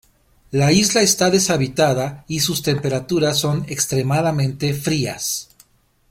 La isla está deshabitada y sus temperaturas son extremadamente frías.